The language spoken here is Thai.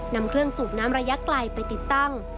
นำเครื่องสูบน้ำระยะไกลไปติดตั้ง